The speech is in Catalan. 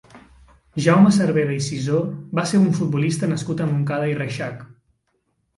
Jaume Cervera i Sisó va ser un futbolista nascut a Montcada i Reixac.